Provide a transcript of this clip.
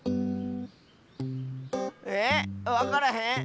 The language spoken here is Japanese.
えっわからへん？